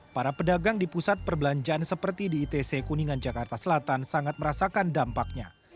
para pedagang di pusat perbelanjaan seperti di itc kuningan jakarta selatan sangat merasakan dampaknya